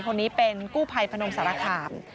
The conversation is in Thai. คนนี้เป็นกู้ภัยพนมสารคาม